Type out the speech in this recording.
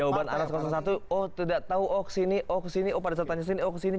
jawaban atas satu oh tidak tahu oh kesini oh kesini oh pada saat tanya kesini oh kesini